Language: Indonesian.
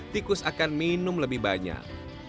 tikus akan minum lebih banyak